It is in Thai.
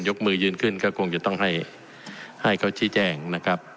มือยืนขึ้นก็คงจะต้องให้เขาชี้แจ้งนะครับ